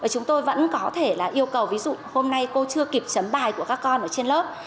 chúng tôi vẫn có thể yêu cầu ví dụ hôm nay cô chưa kịp chấm bài của các con ở trên lớp